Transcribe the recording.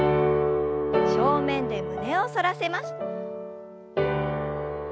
正面で胸を反らせます。